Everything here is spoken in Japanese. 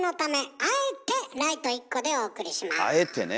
「あえて」ね。